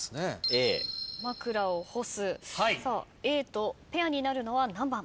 Ａとペアになるのは何番？